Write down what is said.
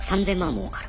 もうかる。